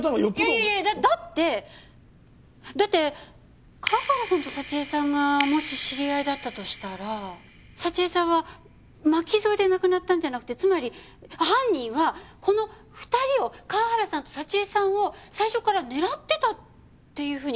いやいやいやだってだって河原さんと沙知絵さんがもし知り合いだったとしたら沙知絵さんは巻き添えで亡くなったんじゃなくてつまり犯人はこの２人を河原さんと沙知絵さんを最初から狙ってたっていうふうに考えられませんか？